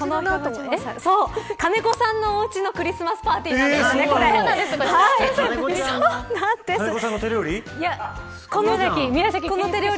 金子さんのおうちのクリスマスパーティー金子さんの手料理。